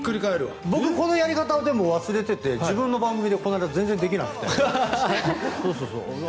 僕、このやり方を忘れていて自分の番組でこの間全然できなくて。